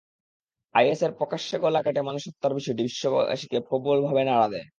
আইএসের প্রকাশ্যে গলা কেটে মানুষ হত্যা করার বিষয়টি বিশ্ববাসীকে প্রবলভাবে নাড়া দেয়।